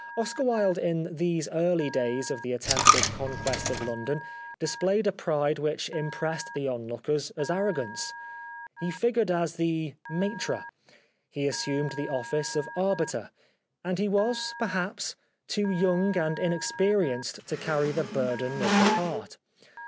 Oscar Wilde in these early days of the attempted Conquest of London displayed a pride which impressed the onlookers as arrogance. He figured as the maUre ; he assumed the office of arbiter, and he was, perhaps, too young and inexperienced to carry the burthen of the part.